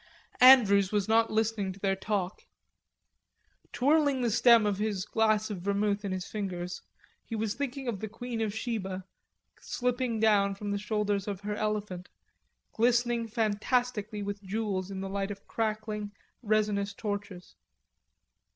Andrews was not listening to their talk; twirling the stem of his glass of vermouth in his fingers, he was thinking of the Queen of Sheba slipping down from off the shoulders of her elephant, glistening fantastically with jewels in the light of crackling, resinous torches.